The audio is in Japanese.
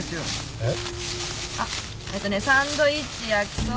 えっ？